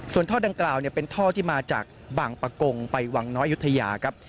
ส่วนท่อดังกล่าวเป็นท่อที่มาจากบางปะกงไปวังน้อยยุธยาครับ